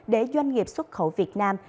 để doanh nghiệp xuất khẩu việt nam